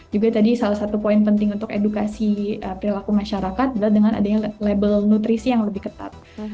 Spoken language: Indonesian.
juga tadi salah satu poin penting untuk edukasi perilaku masyarakat adalah dengan adanya label nutrisi yang lebih ketat